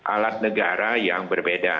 alat negara yang berbeda